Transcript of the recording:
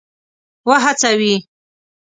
وهڅوي.